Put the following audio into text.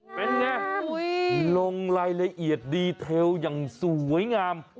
เป็นไงลงรายละเอียดดีเทลอย่างสวยงาม